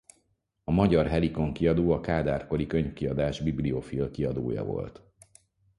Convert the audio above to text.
A Magyar Helikon kiadó a Kádár-kori könyvkiadás bibliofil kiadója volt.